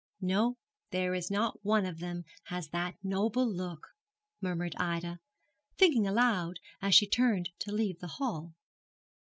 'No, there is not one of them has that noble look,' murmured Ida, thinking aloud, as she turned to leave the hall.